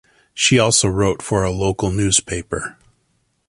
She also wrote for a local newspaper.